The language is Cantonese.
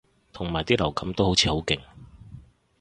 同埋啲流感都好似好勁